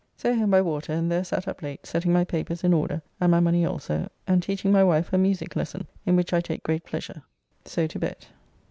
So home by water, and there sat up late setting my papers in order, and my money also, and teaching my wife her music lesson, in which I take great pleasure. So to bed.